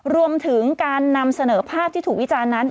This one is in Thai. รวมถึงการนำเสนอภาพที่ถูกวิจารณ์นั้น